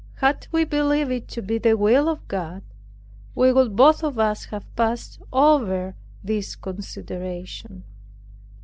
Had we believed it to be the will of God, we would both of us have passed over these considerations.